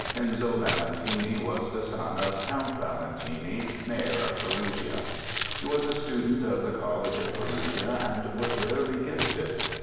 Enzo Valentini was the son of Count Val entini, mayor of Perugia. He was a student of the College of Perugia, and was rarely gifted.